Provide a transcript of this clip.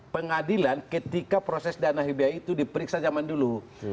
pengadilan ketika proses dana hibia itu diperiksa zaman dulu